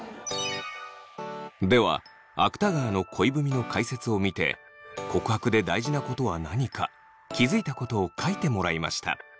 では芥川の恋文の解説を見て告白で大事なことは何か気付いたことを書いてもらいました。